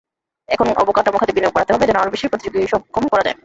এখন অবকাঠামো খাতে বিনিয়োগ বাড়াতে হবে, যেন আরও বেশি প্রতিযোগীসক্ষম করা যায়।